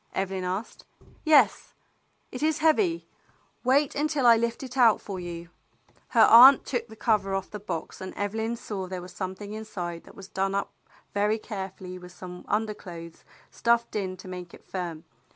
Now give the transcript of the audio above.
^" Evelyn asked. "Yes; it is heavy. Wait until I hft it out for you.'* Her aunt took the cover off the box, and Evelyn saw there was something inside that was done up very carefully with some underclothes stuffed in to make it firm.